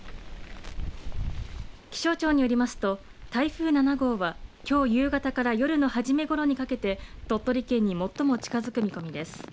気象庁によりますと台風７号はきょう夕方から夜の初めごろにかけて鳥取県に最も近づく見込みです。